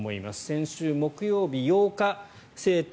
先週木曜日、８日生徒